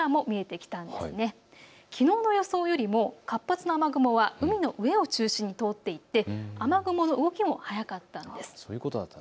きのうの予想よりも活発な雨雲は海の上を中心に通っていて雨雲の動きも早かったんです。